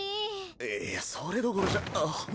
いやそれどころじゃああっ。